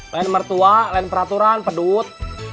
pengen mertua pengen peraturan pedut